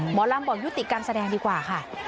หมอลำบอกยุติการแสดงดีกว่าค่ะ